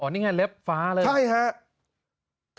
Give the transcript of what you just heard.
นี่ไงเล็บฟ้าเลยครับใช่ค่ะ